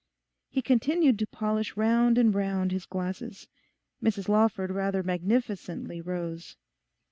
He continued to polish round and round his glasses. Mrs Lawford rather magnificently rose.